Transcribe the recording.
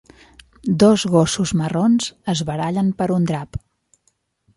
Dos gossos marrons es barallen per un drap.